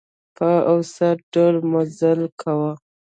په اوسط ډول مزل کاوه.